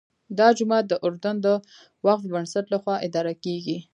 دا جومات د اردن د وقف بنسټ لخوا اداره کېږي.